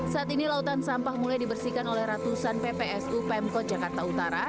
saat ini lautan sampah mulai dibersihkan oleh ratusan ppsu pemkot jakarta utara